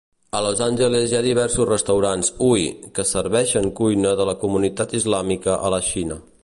A Los Angeles hi ha diversos restaurants "hui" que serveixen cuina de la comunitat islàmica a la Xina.